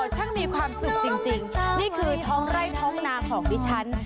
ช่างมีความสุขจริงนี่คือท้องไร่ท้องนาของดิฉัน